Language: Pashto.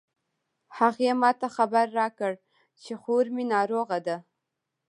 هغې ما ته خبر راکړ چې خور می ناروغه ده